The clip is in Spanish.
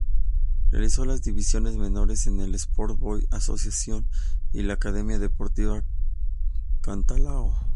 Realizó las divisiones menores en el Sport Boys Association y la Academia Deportiva Cantolao.